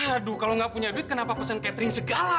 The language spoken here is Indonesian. aduh kalau nggak punya duit kenapa pesan catering segala